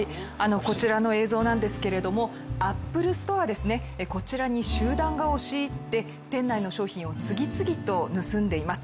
こちらの映像なんですけれども、アップルストアに集団が押し入って店内の商品を次々と盗んでいます。